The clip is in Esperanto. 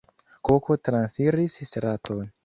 Koko transiris straton.